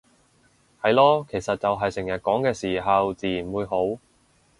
係囉，其實就係成日講嘅時候自然會好